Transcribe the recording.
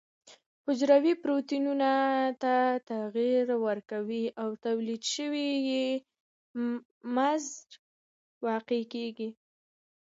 حجروي پروتینونو ته تغیر ورکوي او تولید شوي یې مضر واقع کیږي.